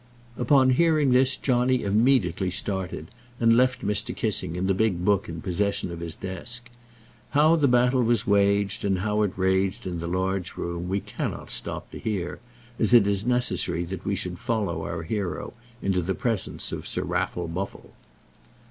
Upon hearing this Johnny immediately started, and left Mr. Kissing and the big book in possession of his desk. How the battle was waged, and how it raged in the large room, we cannot stop to hear, as it is necessary that we should follow our hero into the presence of Sir Raffle Buffle.